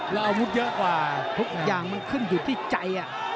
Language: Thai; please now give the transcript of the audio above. แล้วอาวุธเยอะกว่าทุกอย่างมันขึ้นอยู่ที่ใจ